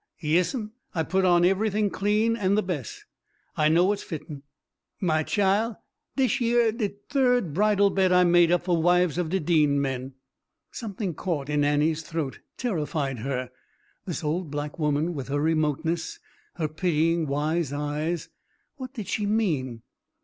"Yes'm, I put on everything clean, an' the bes'. I know what's fitten. My chile, dish yer de third bridal bed I made up for wives of de Dean men." Something caught in Annie's throat, terrified her. This old black woman, with her remoteness, her pitying wise eyes, what did she mean?